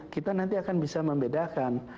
kita nanti akan bisa membedakan